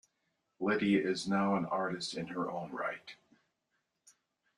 Lydia is now an artist in her own right.